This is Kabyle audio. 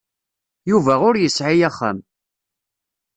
Yuba ur yesɛi axxam.